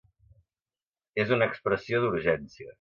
És una expressió d’urgència.